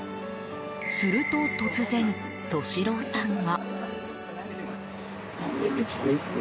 すると突然、利郎さんが。